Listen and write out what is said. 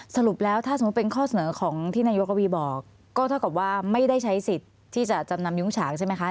สรุปแล้วถ้าสมมุติเป็นข้อเสนอของที่นายกกวีบอกก็เท่ากับว่าไม่ได้ใช้สิทธิ์ที่จะจำนำยุ้งฉางใช่ไหมคะ